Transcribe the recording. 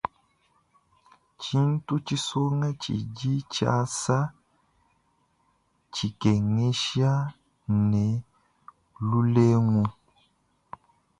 Tshintu tshisonga tshidi tshiasa, tshikengesha ne lulengu.